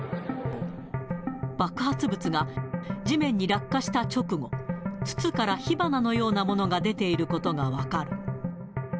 爆発物が、地面に落下した直後、筒から火花のようなものが出ていることが分かる。